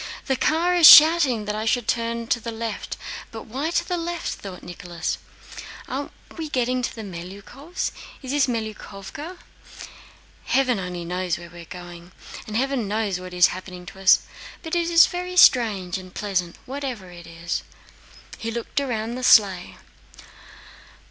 "Zakhár is shouting that I should turn to the left, but why to the left?" thought Nicholas. "Are we getting to the Melyukóvs'? Is this Melyukóvka? Heaven only knows where we are going, and heaven knows what is happening to us—but it is very strange and pleasant whatever it is." And he looked round in the sleigh.